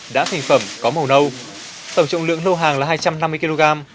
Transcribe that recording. đá thành phẩm có màu nâu tổng trọng lượng lô hàng là hai trăm năm mươi kg